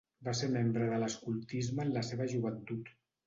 Va ser membre de l'escoltisme en la seva joventut.